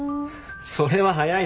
それは早いだろ。